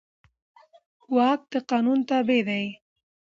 واک د قانون تابع دی.